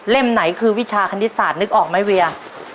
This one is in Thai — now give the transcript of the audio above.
ไหนคือวิชาคณิตศาสตร์นึกออกไหมเวีย